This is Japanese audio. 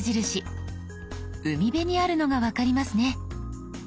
海辺にあるのが分かりますね。